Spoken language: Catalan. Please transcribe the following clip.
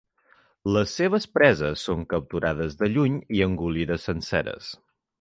Les seves preses són capturades de lluny i engolides senceres.